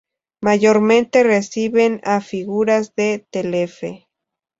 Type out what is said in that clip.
Mayormente reciben a figuras de Telefe.